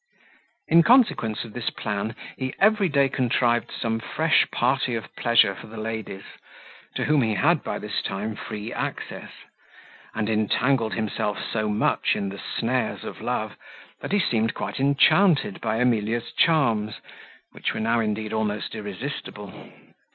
In consequence of this plan, he every day contrived some fresh party of pleasure for the ladies, to whom he had by this time free access; and entangled himself so much in the snares of love, that he seemed quite enchanted by Emilia's charms, which were now indeed almost irresistible.